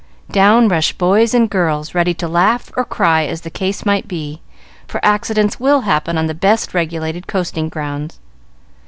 Down rushed boys and girls ready to laugh or cry, as the case might be, for accidents will happen on the best regulated coasting grounds.